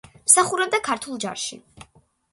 მსახურობდა ქართულ ჯარში.